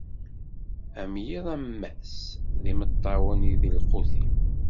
Am yiḍ am wass, d imeṭṭawen i d lqut-iw.